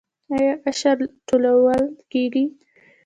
آیا عشر ټولول کیږي؟